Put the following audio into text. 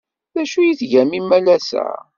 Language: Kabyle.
D acu ay tgam imalas-a?